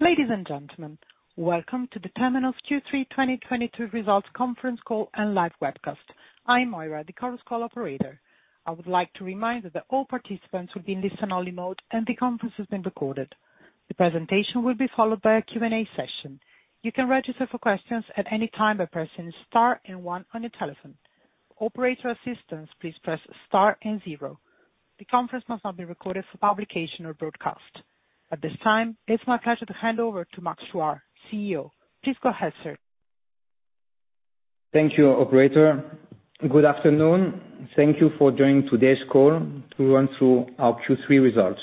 Ladies and gentlemen, welcome to the Temenos Q3 2023 Results Conference Call and Live Webcast. I'm Moira, the Chorus Call operator. I would like to remind you that all participants will be in listen only mode and the conference is being recorded. The presentation will be followed by a Q&A session. You can register for questions at any time by pressing star and one on your telephone. Operator assistance, please press star and zero. The conference must not be recorded for publication or broadcast. At this time, it's my pleasure to hand over to Max Chuard, CEO. Please go ahead, sir. Thank you, operator. Good afternoon. Thank you for joining today's call to run through our Q3 results.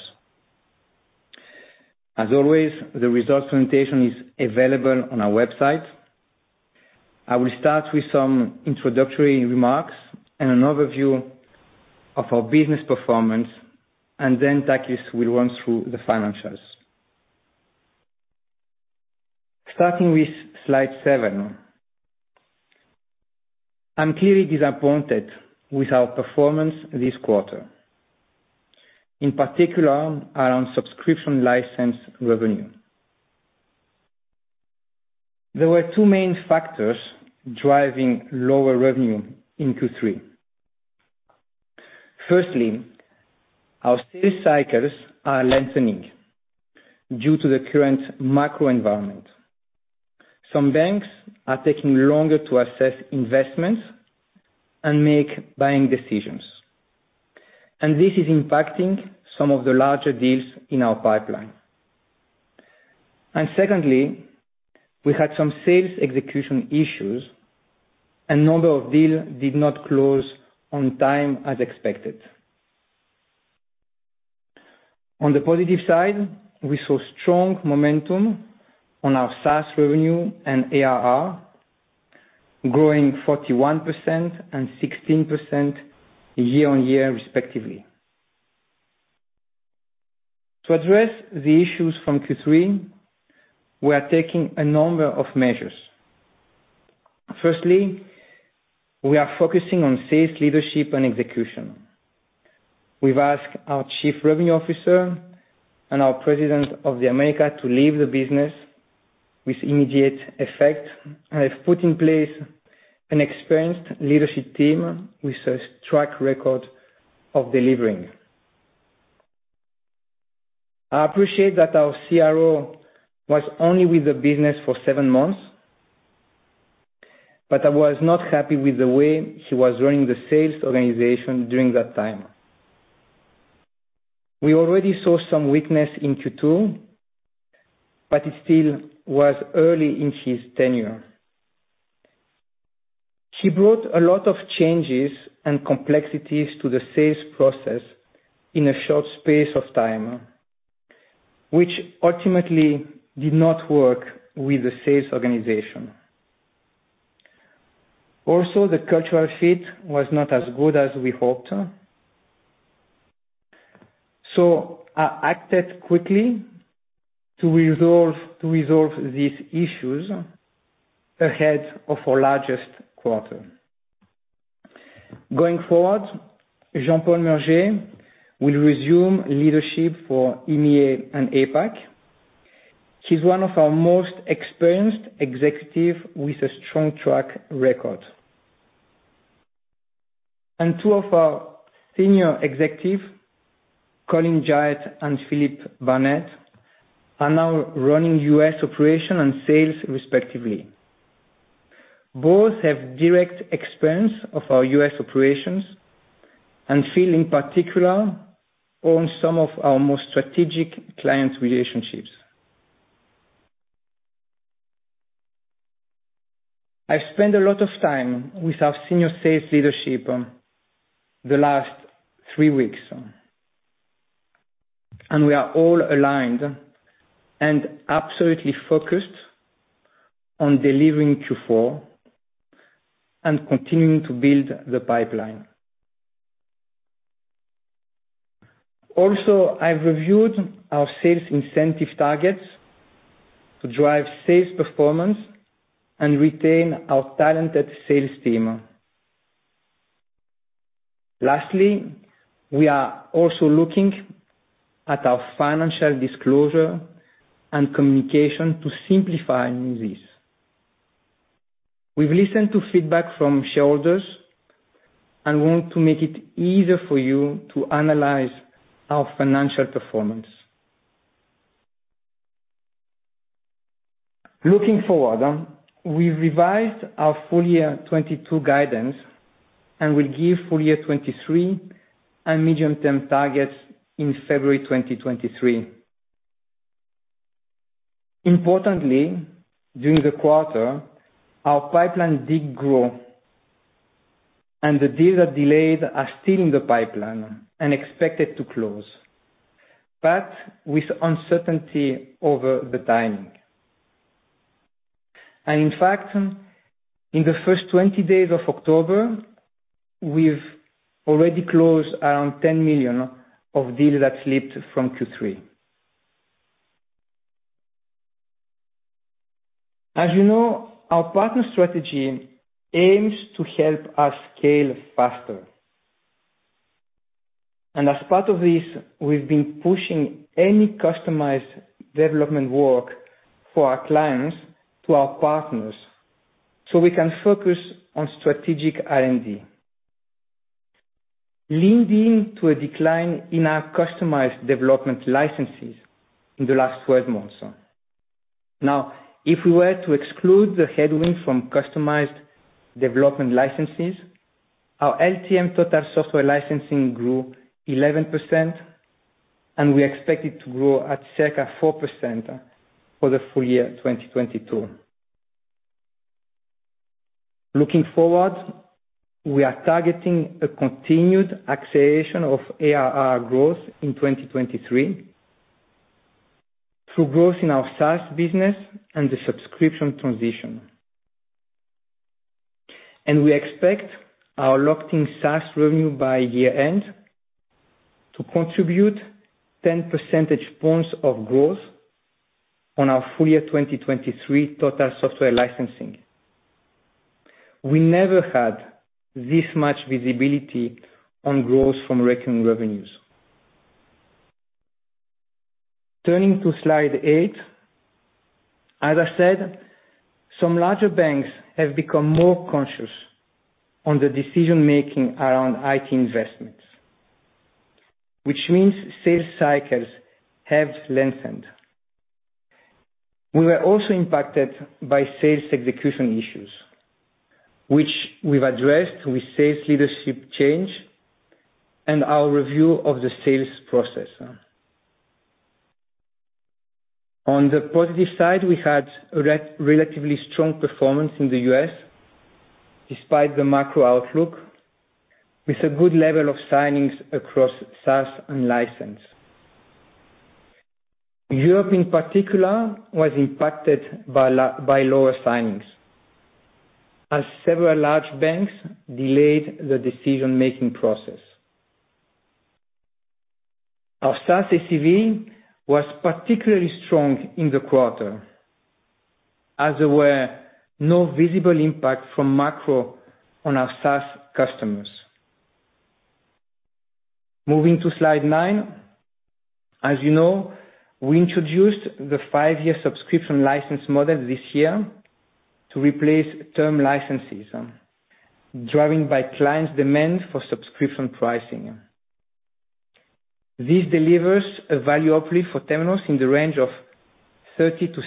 As always, the results presentation is available on our website. I will start with some introductory remarks and an overview of our business performance, and then Takis will run through the financials. Starting with slide seven. I'm clearly disappointed with our performance this quarter, in particular around subscription license revenue. There were two main factors driving lower revenue in Q3. Firstly, our sales cycles are lengthening due to the current macro environment. Some banks are taking longer to assess investments and make buying decisions, and this is impacting some of the larger deals in our pipeline. Secondly, we had some sales execution issues. A number of deals did not close on time as expected. On the positive side, we saw strong momentum on our SaaS revenue and ARR growing 41% and 16% year-on-year respectively. To address the issues from Q3, we are taking a number of measures. Firstly, we are focusing on sales leadership and execution. We've asked our Chief Revenue Officer and our President of the Americas to leave the business with immediate effect. I have put in place an experienced leadership team with a track record of delivering. I appreciate that our CRO was only with the business for seven months, but I was not happy with the way he was running the sales organization during that time. We already saw some weakness in Q2, but it still was early in his tenure. He brought a lot of changes and complexities to the sales process in a short space of time, which ultimately did not work with the sales organization. Also, the cultural fit was not as good as we hoped. I acted quickly to resolve these issues ahead of our largest quarter. Going forward, Jean-Pierre Brulard will resume leadership for EMEA and APAC. He's one of our most experienced executives with a strong track record. Two of our senior executives, Colin Giles and Philip Barnett, are now running U.S. operations and sales respectively. Both have direct experience of our U.S. operations and Phil in particular owns some of our most strategic client relationships. I've spent a lot of time with our senior sales leadership, the last three weeks, and we are all aligned and absolutely focused on delivering Q4 and continuing to build the pipeline. Also, I've reviewed our sales incentive targets to drive sales performance and retain our talented sales team. Lastly, we are also looking at our financial disclosure and communication to simplify this. We've listened to feedback from shareholders and want to make it easier for you to analyze our financial performance. Looking forward, we revised our full year 2022 guidance and will give full year 2023 and medium-term targets in February 2023. Importantly, during the quarter, our pipeline did grow and the deals are delayed are still in the pipeline and expected to close, but with uncertainty over the timing. In fact, in the first 20 days of October, we've already closed around $10 million of deals that slipped from Q3. As you know, our partner strategy aims to help us scale faster. as part of this, we've been pushing any customized development work for our clients to our partners, so we can focus on strategic R&D. Leading to a decline in our customized development licenses in the last 12 months. Now, if we were to exclude the headwind from customized development licenses, our LTM total software licensing grew 11%, and we expect it to grow at circa 4% for the full year 2022. Looking forward, we are targeting a continued acceleration of ARR growth in 2023 through growth in our SaaS business and the subscription transition. we expect our locked-in SaaS revenue by year-end to contribute 10 percentage points of growth on our full year 2023 total software licensing. We never had this much visibility on growth from recurring revenues. Turning to slide eight. As I said, some larger banks have become more conscious on the decision-making around IT investments, which means sales cycles have lengthened. We were also impacted by sales execution issues, which we've addressed with sales leadership change and our review of the sales process. On the positive side, we had relatively strong performance in the U.S. despite the macro outlook, with a good level of signings across SaaS and license. Europe in particular was impacted by lower signings as several large banks delayed the decision-making process. Our SaaS ACV was particularly strong in the quarter as there were no visible impact from macro on our SaaS customers. Moving to slide nine. As you know, we introduced the five-year subscription license model this year to replace term licenses, driven by clients demand for subscription pricing. This delivers a value uplift for Temenos in the range of 30%-60%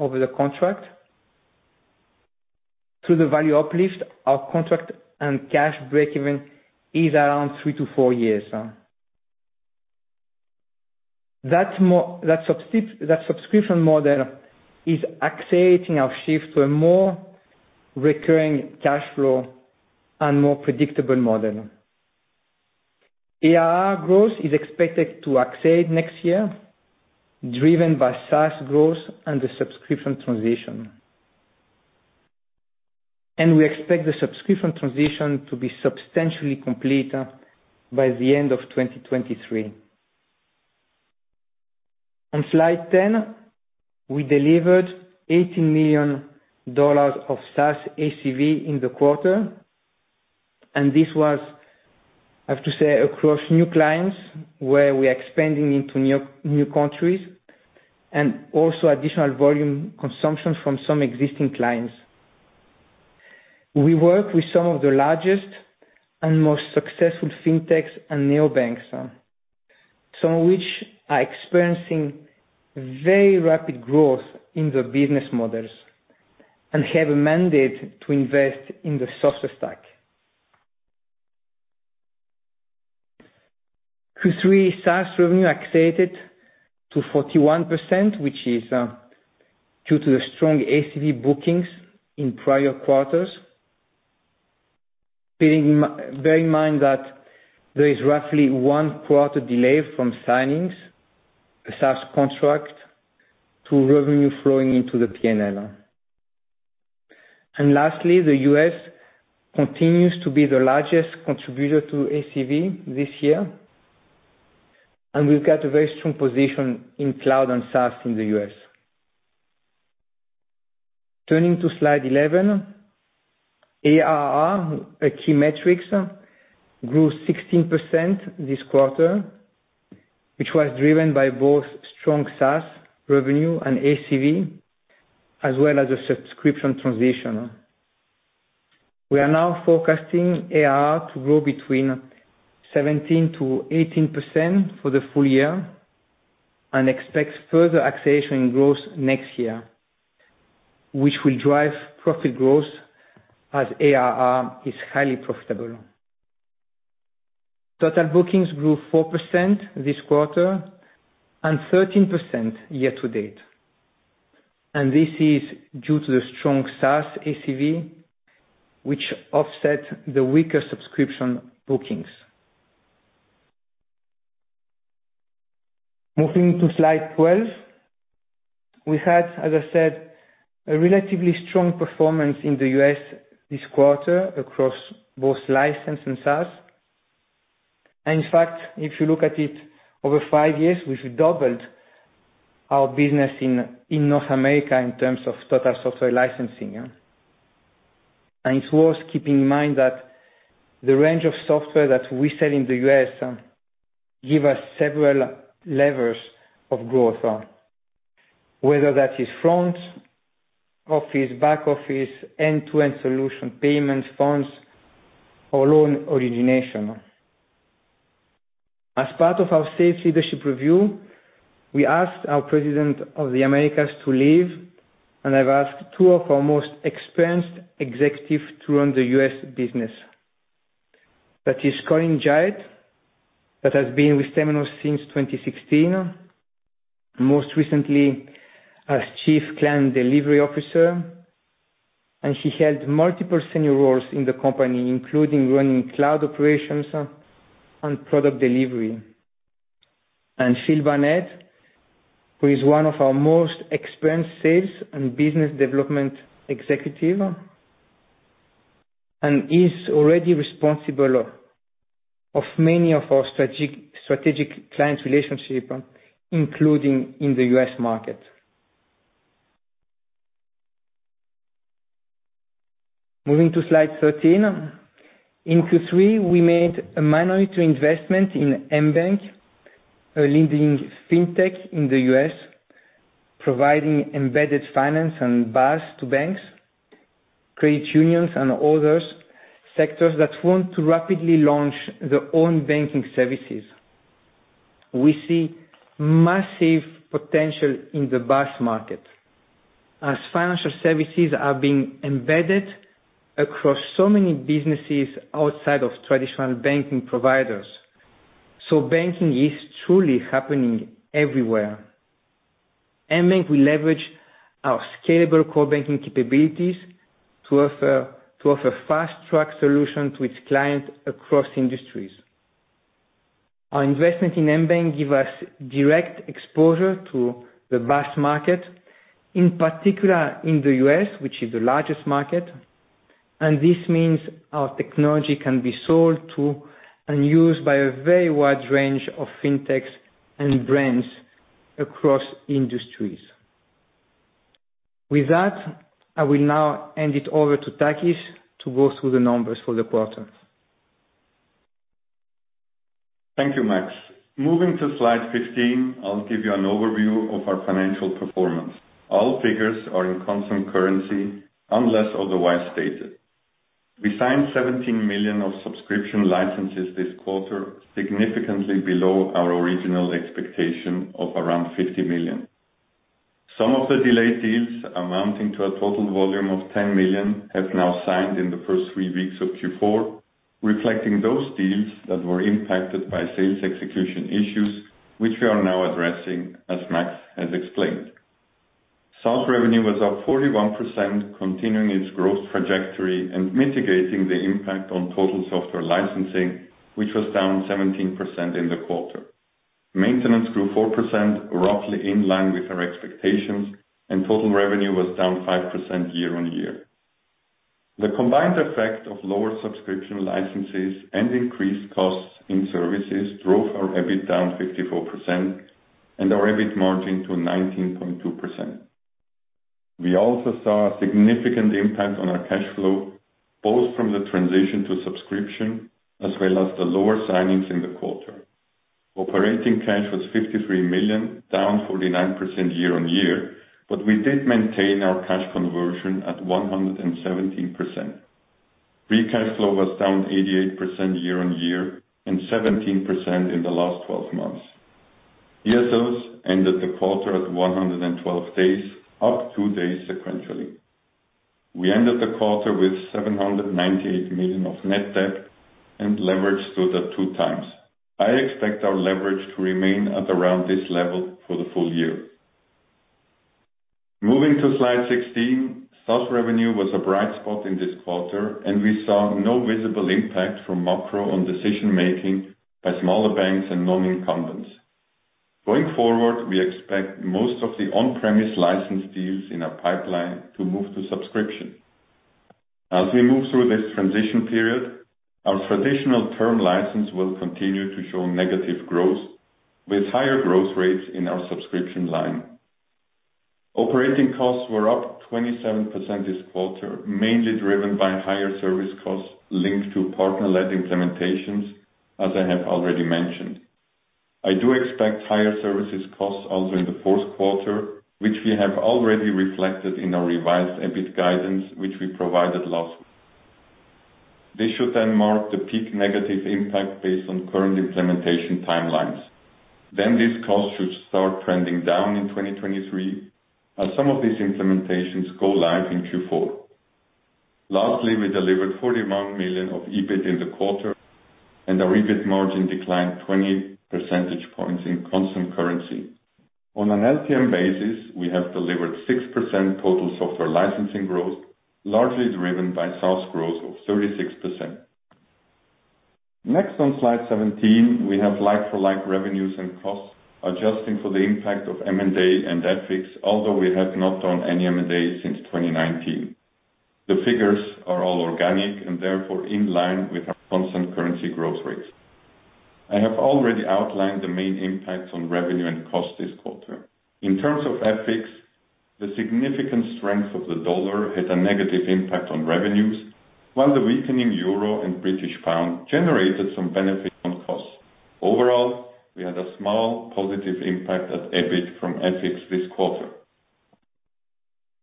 over the contract. Through the value uplift, our contract and cash breakeven is around three-four years. That subscription model is accelerating our shift to a more recurring cash flow and more predictable model. ARR growth is expected to accelerate next year, driven by SaaS growth and the subscription transition. We expect the subscription transition to be substantially complete by the end of 2023. On slide 10, we delivered $80 million of SaaS ACV in the quarter, and this was, I have to say, across new clients, where we are expanding into new countries and also additional volume consumption from some existing clients. We work with some of the largest and most successful fintechs and neobanks, some which are experiencing very rapid growth in their business models and have a mandate to invest in the software stack. Q3 SaaS revenue accelerated to 41%, which is due to the strong ACV bookings in prior quarters. Bearing in mind that there is roughly one quarter delay from signing a SaaS contract to revenue flowing into the P&L. Lastly, the US continues to be the largest contributor to ACV this year, and we've got a very strong position in cloud and SaaS in the US. Turning to slide 11. ARR, a key metric, grew 16% this quarter, which was driven by both strong SaaS revenue and ACV, as well as a subscription transition. We are now forecasting ARR to grow between 17%-18% for the full year and expects further acceleration growth next year, which will drive profit growth as ARR is highly profitable. Total bookings grew 4% this quarter and 13% year to date. This is due to the strong SaaS ACV, which offset the weaker subscription bookings. Moving to slide 12. We had, as I said, a relatively strong performance in the U.S. this quarter across both license and SaaS. In fact, if you look at it over five years, we've doubled our business in North America in terms of total software licensing. It's worth keeping in mind that the range of software that we sell in the U.S. give us several levers of growth, whether that is front office, back office, end-to-end solution payments, funds, or loan origination. As part of our sales leadership review, we asked our president of the Americas to leave, and I've asked two of our most experienced executives to run the US business. That is Colin Giles, that has been with Temenos since 2016. Most recently as Chief Client Delivery Officer, and he held multiple senior roles in the company, including running cloud operations and product delivery. Phil Barnett, who is one of our most experienced sales and business development executives and is already responsible of many of our strategic client relationships, including in the US market. Moving to slide 13. In Q3, we made a minority investment in Mbanq, a leading fintech in the US, providing embedded finance and BaaS to banks, credit unions, and other sectors that want to rapidly launch their own banking services. We see massive potential in the BaaS market as financial services are being embedded across so many businesses outside of traditional banking providers. Banking is truly happening everywhere. Mbanq will leverage our scalable core banking capabilities to offer fast-track solution to its clients across industries. Our investment in Mbanq give us direct exposure to the BaaS market, in particular in the U.S., which is the largest market. This means our technology can be sold to and used by a very wide range of fintechs and brands across industries. With that, I will now hand it over to Takis to go through the numbers for the quarter. Thank you, Max. Moving to slide 15, I'll give you an overview of our financial performance. All figures are in constant currency unless otherwise stated. We signed $17 million of subscription licenses this quarter, significantly below our original expectation of around $50 million. Some of the delayed deals amounting to a total volume of $10 million have now signed in the first three weeks of Q4, reflecting those deals that were impacted by sales execution issues, which we are now addressing, as Max has explained. SaaS revenue was up 41%, continuing its growth trajectory and mitigating the impact on total software licensing, which was down 17% in the quarter. Maintenance grew 4%, roughly in line with our expectations, and total revenue was down 5% year-on-year. The combined effect of lower subscription licenses and increased costs in services drove our EBIT down 54% and our EBIT margin to 19.2%. We also saw a significant impact on our cash flow, both from the transition to subscription as well as the lower signings in the quarter. Operating cash was $53 million, down 49% year-on-year. We did maintain our cash conversion at 117%. Free cash flow was down 88% year-on-year and 17% in the last twelve months. DSOs ended the quarter at 112 days, up two days sequentially. We ended the quarter with $798 million of net debt and leverage stood at 2x. I expect our leverage to remain at around this level for the full year. Moving to slide 16. SaaS revenue was a bright spot in this quarter, and we saw no visible impact from macro on decision-making by smaller banks and non-incumbents. Going forward, we expect most of the on-premise license deals in our pipeline to move to subscription. As we move through this transition period, our traditional term license will continue to show negative growth with higher growth rates in our subscription line. Operating costs were up 27% this quarter, mainly driven by higher service costs linked to partner-led implementations, as I have already mentioned. I do expect higher services costs also in the fourth quarter, which we have already reflected in our revised EBIT guidance, which we provided last week. This should then mark the peak negative impact based on current implementation timelines. This cost should start trending down in 2023 as some of these implementations go live in Q4. Lastly, we delivered 41 million of EBIT in the quarter and our EBIT margin declined 20 percentage points in constant currency. On an LTM basis, we have delivered 6% total software licensing growth, largely driven by SaaS growth of 36%. Next on slide 17, we have like-for-like revenues and costs, adjusting for the impact of M&A and FX, although we have not done any M&A since 2019. The figures are all organic and therefore in line with our constant currency growth rates. I have already outlined the main impacts on revenue and cost this quarter. In terms of FX, the significant strength of the dollar had a negative impact on revenues, while the weakening euro and British pound generated some benefit on costs. Overall, we had a small positive impact at EBIT from FX this quarter.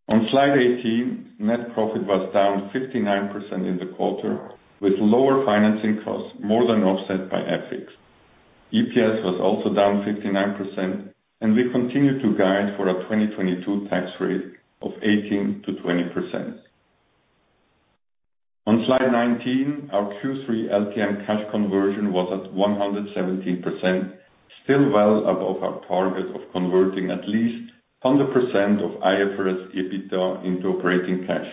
On slide 18, net profit was down 59% in the quarter, with lower financing costs more than offset by FX. EPS was also down 59%, and we continue to guide for a 2022 tax rate of 18%-20%. On slide 19, our Q3 LTM cash conversion was at 117%, still well above our target of converting at least 100% of IFRS EBITDA into operating cash.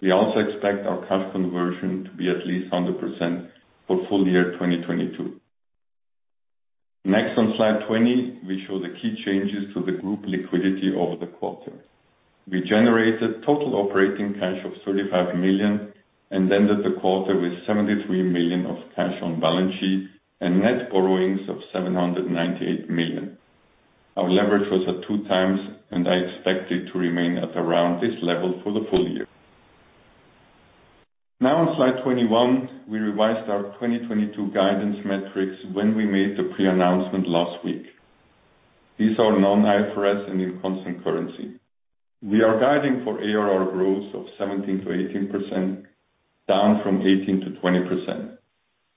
We also expect our cash conversion to be at least 100% for full year 2022. Next, on slide 20, we show the key changes to the group liquidity over the quarter. We generated total operating cash of 35 million, and ended the quarter with 73 million of cash on balance sheet and net borrowings of 798 million. Our leverage was at 2x, and I expect it to remain at around this level for the full year. Now on slide 21, we revised our 2022 guidance metrics when we made the pre-announcement last week. These are non-IFRS and in constant currency. We are guiding for ARR growth of 17%-18%, down from 18%-20%.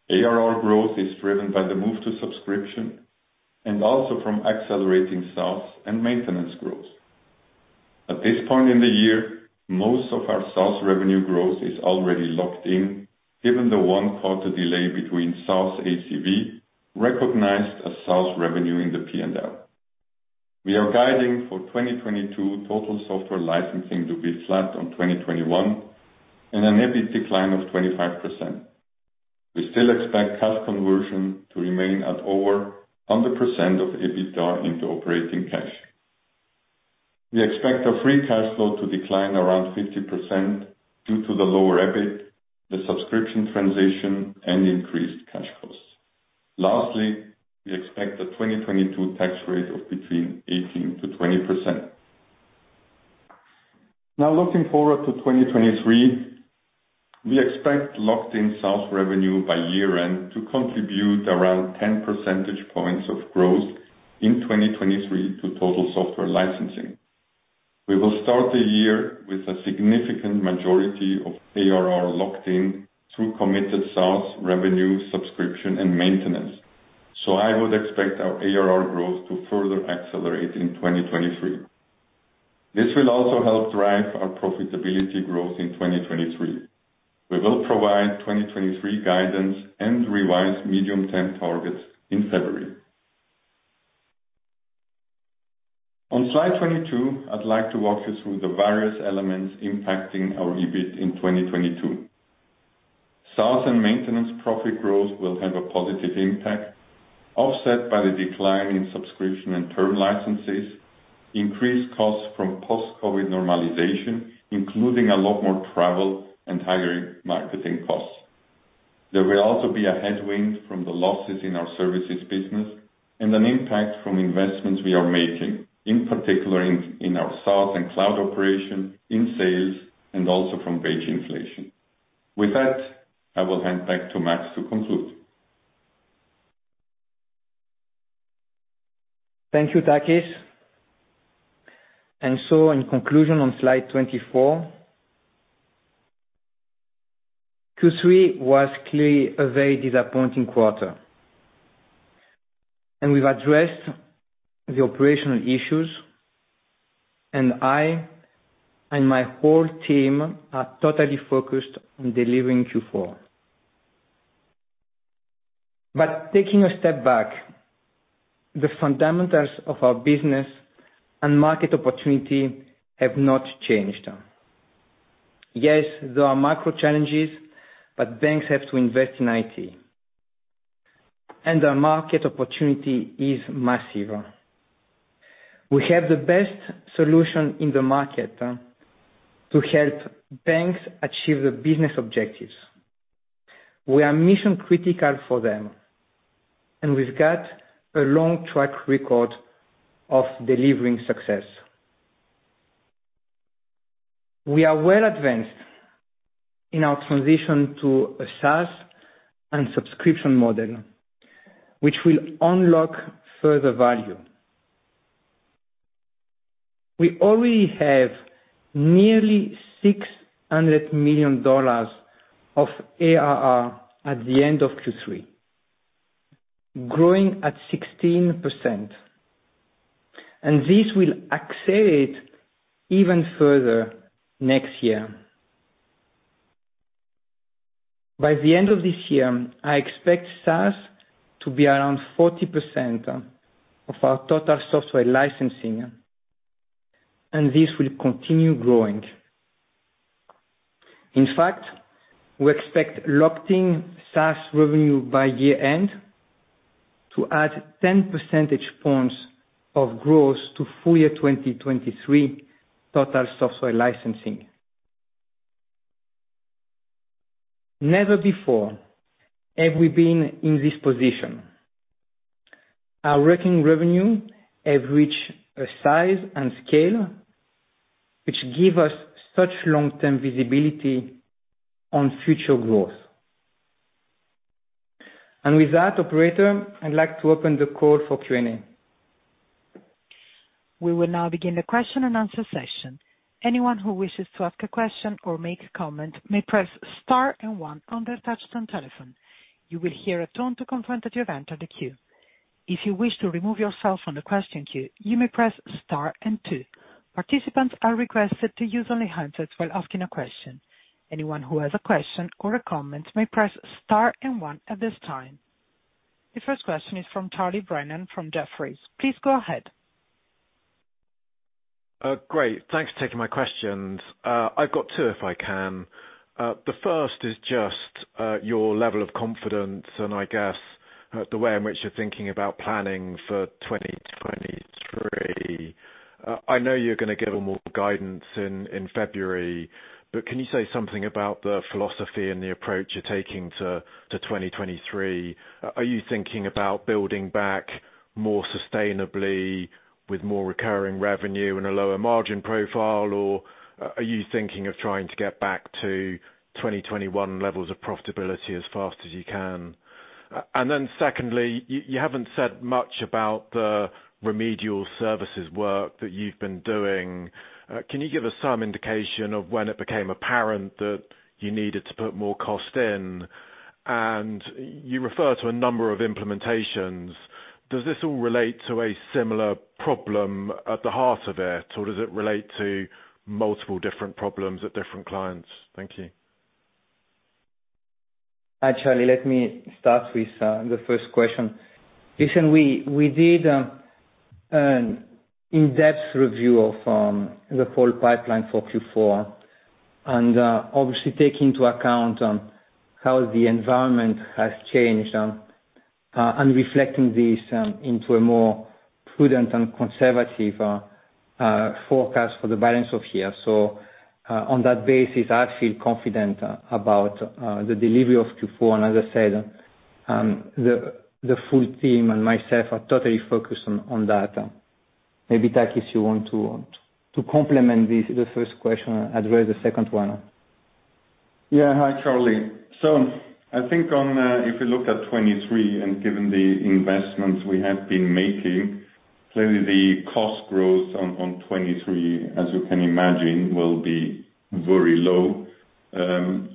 ARR growth is driven by the move to subscription and also from accelerating SaaS and maintenance growth. At this point in the year, most of our SaaS revenue growth is already locked in, given the one-quarter delay between SaaS ACV recognized as SaaS revenue in the P&L. We are guiding for 2022 total software licensing to be flat on 2021 and an EBIT decline of 25%. We still expect cash conversion to remain at over 100% of EBITDA into operating cash. We expect our free cash flow to decline around 50% due to the lower EBIT, the subscription transition, and increased cash costs. Lastly, we expect a 2022 tax rate of between 18%-20%. Now, looking forward to 2023, we expect locked-in SaaS revenue by year-end to contribute around 10 percentage points of growth in 2023 to total software licensing. We will start the year with a significant majority of ARR locked in through committed SaaS revenue, subscription, and maintenance. I would expect our ARR growth to further accelerate in 2023. This will also help drive our profitability growth in 2023. We will provide 2023 guidance and revised medium term targets in February. On slide 22, I'd like to walk you through the various elements impacting our EBIT in 2022. SaaS and maintenance profit growth will have a positive impact, offset by the decline in subscription and term licenses, increased costs from post-COVID normalization, including a lot more travel and higher marketing costs. There will also be a headwind from the losses in our services business and an impact from investments we are making in particular in our SaaS and cloud operation, in sales, and also from wage inflation. With that, I will hand back to Max to conclude. Thank you, Takis. In conclusion, on slide 24, Q3 was clearly a very disappointing quarter. We've addressed the operational issues, and I and my whole team are totally focused on delivering Q4. Taking a step back, the fundamentals of our business and market opportunity have not changed. Yes, there are macro challenges, but banks have to invest in IT. Our market opportunity is massive. We have the best solution in the market to help banks achieve their business objectives. We are mission-critical for them, and we've got a long track record of delivering success. We are well advanced in our transition to a SaaS and subscription model, which will unlock further value. We already have nearly $600 million of ARR at the end of Q3, growing at 16%, and this will accelerate even further next year. By the end of this year, I expect SaaS to be around 40% of our total software licensing, and this will continue growing. In fact, we expect locked-in SaaS revenue by year-end to add 10 percentage points of growth to full year 2023 total software licensing. Never before have we been in this position. Our recurring revenue have reached a size and scale which give us such long-term visibility on future growth. With that operator, I'd like to open the call for Q&A. We will now begin the question and answer session. Anyone who wishes to ask a question or make a comment may press star and one on their touch-tone telephone. You will hear a tone to confirm that you have entered the queue. If you wish to remove yourself from the question queue, you may press star and two. Participants are requested to use only handsets while asking a question. Anyone who has a question or a comment may press star and one at this time. The first question is from Charles Brennan from Jefferies. Please go ahead. Great. Thanks for taking my questions. I've got two if I can. The first is just your level of confidence and I guess the way in which you're thinking about planning for 2023. I know you're gonna give more guidance in February, but can you say something about the philosophy and the approach you're taking to 2023? Are you thinking about building back more sustainably with more recurring revenue and a lower margin profile? Or are you thinking of trying to get back to 2021 levels of profitability as fast as you can? And then secondly, you haven't said much about the remedial services work that you've been doing. Can you give us some indication of when it became apparent that you needed to put more cost in? You refer to a number of implementations, does this all relate to a similar problem at the heart of it? Or does it relate to multiple different problems at different clients? Thank you. Hi, Charlie. Let me start with the first question. Listen, we did an in-depth review of the full pipeline for Q4, and obviously take into account on how the environment has changed, and reflecting this into a more prudent and conservative forecast for the balance of year. On that basis, I feel confident about the delivery of Q4. As I said, the full team and myself are totally focused on that. Maybe Takis you want to complement this, the first question, address the second one. Yeah. Hi, Charlie. I think on if you look at 2023 and given the investments we have been making, clearly the cost growth on 2023, as you can imagine, will be very low.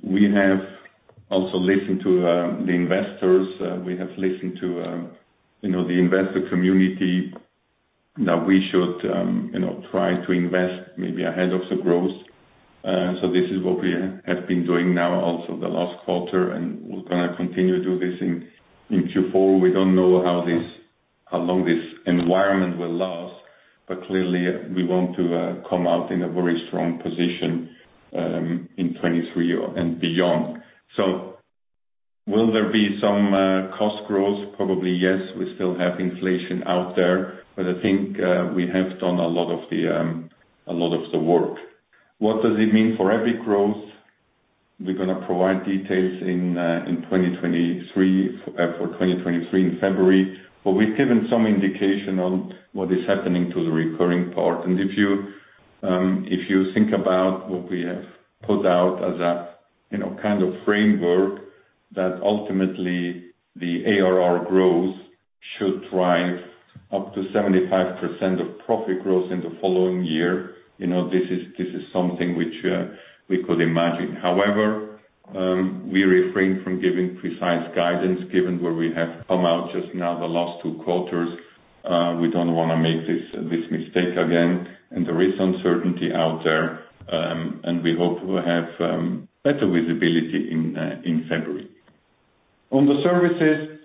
We have also listened to the investors. We have listened to you know, the investor community that we should you know, try to invest maybe ahead of the growth. This is what we have been doing now, also the last quarter, and we're gonna continue to do this in Q4. We don't know how long this environment will last, but clearly we want to come out in a very strong position in 2023 or and beyond. Will there be some cost growth? Probably, yes. We still have inflation out there, but I think we have done a lot of the work. What does it mean for EBITDA growth? We're gonna provide details in 2023 for 2023 in February, but we've given some indication on what is happening to the recurring part. If you think about what we have put out as a you know kind of framework that ultimately the ARR growth should drive up to 75% of profit growth in the following year, you know, this is something which we could imagine. However, we refrain from giving precise guidance, given where we have come out just now the last two quarters. We don't wanna make this mistake again. There is uncertainty out there, and we hope to have better visibility in February. On the services,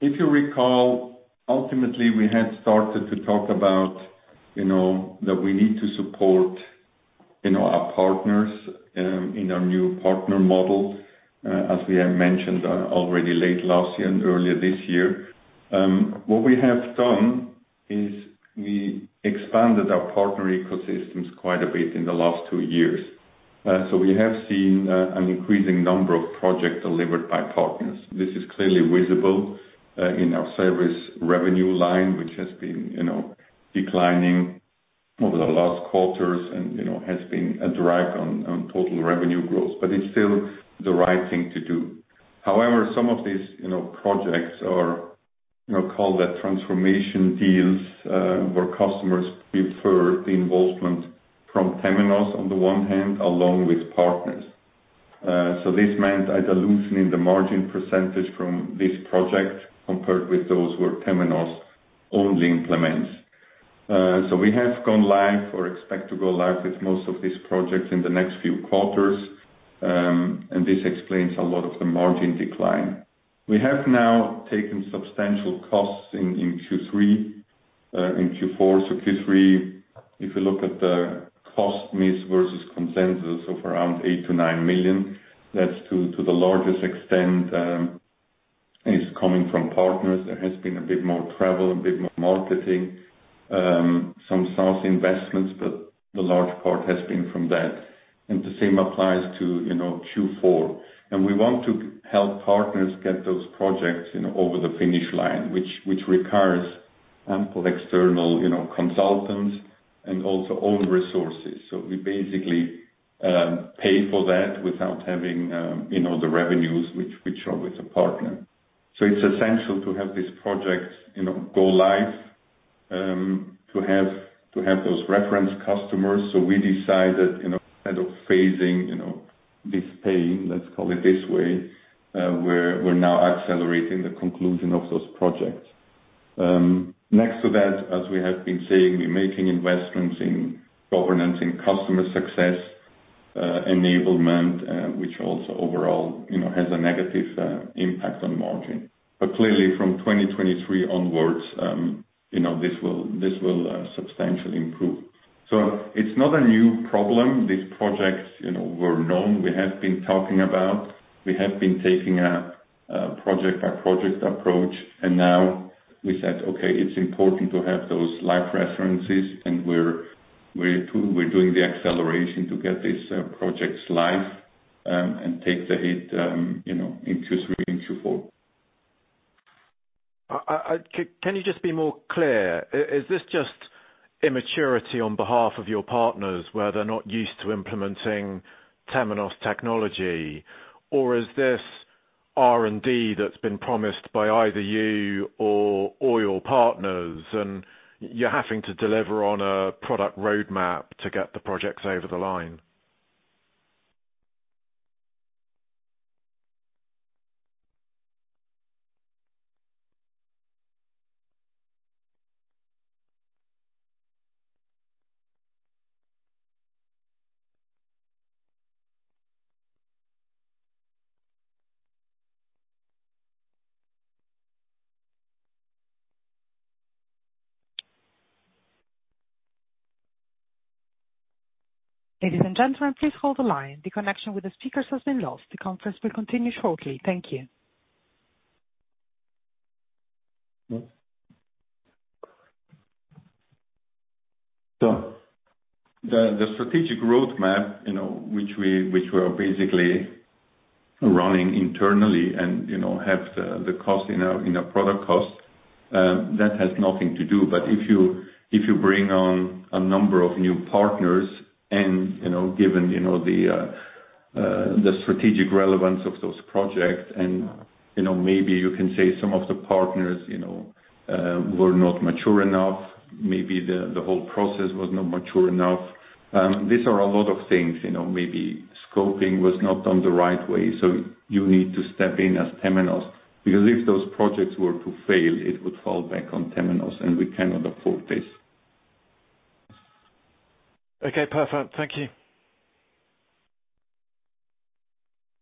if you recall, ultimately, we had started to talk about, you know, that we need to support, you know, our partners in our new partner model, as we have mentioned already late last year and earlier this year. What we have done is we expanded our partner ecosystems quite a bit in the last two years. So we have seen an increasing number of projects delivered by partners. This is clearly visible in our service revenue line, which has been, you know, declining over the last quarters and, you know, has been a drag on total revenue growth, but it's still the right thing to do. However, some of these, you know, projects are called transformation deals, where customers prefer the involvement from Temenos on the one hand, along with partners. So this meant a dilution in the margin percentage from this project compared with those where Temenos only implements. We have gone live or expect to go live with most of these projects in the next few quarters, and this explains a lot of the margin decline. We have now taken substantial costs in Q3 and in Q4. Q3, if you look at the cost miss versus consensus of around $8 million-$9 million, that's to the largest extent is coming from partners. There has been a bit more travel, a bit more marketing, some SaaS investments, but the large part has been from that. The same applies to, you know, Q4. We want to help partners get those projects, you know, over the finish line, which requires ample external, you know, consultants and also own resources. We basically pay for that without having, you know, the revenues which are with the partner. It's essential to have these projects, you know, go live, to have those reference customers. We decided, you know, kind of phasing, you know, this paying, let's call it this way, we're now accelerating the conclusion of those projects. Next to that, as we have been saying, we're making investments in governance and customer success, enablement, which also overall, you know, has a negative impact on margin. Clearly from 2023 onwards, you know, this will substantially improve. It's not a new problem. These projects, you know, were known. We have been talking about. We have been taking a project-by-project approach. Now we said, "Okay, it's important to have those live references," and we're doing the acceleration to get these projects live, and take the hit, you know, in Q3 and Q4. Can you just be more clear? Is this just immaturity on behalf of your partners, where they're not used to implementing Temenos technology? Or is this R&D that's been promised by either you or your partners, and you're having to deliver on a product roadmap to get the projects over the line? Ladies and gentlemen, please hold the line. The connection with the speakers has been lost. The conference will continue shortly. Thank you. The strategic roadmap, you know, which we are basically running internally and you know have the cost in our product cost, that has nothing to do. If you bring on a number of new partners and you know given you know the strategic relevance of those projects and you know maybe you can say some of the partners you know were not mature enough, maybe the whole process was not mature enough. These are a lot of things, you know. Maybe scoping was not done the right way, so you need to step in as Temenos, because if those projects were to fail, it would fall back on Temenos, and we cannot afford this. Okay. Perfect. Thank you.